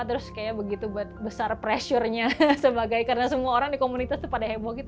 terus kayak begitu besar pressure nya sebagai karena semua orang di komunitas itu pada heboh gitu